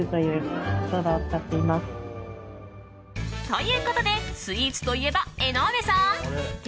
ということでスイーツといえば江上さん。